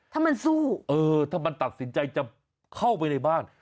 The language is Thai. ถ้ามันสู้เออถ้ามันตัดสินใจจะเข้าไปในบ้าน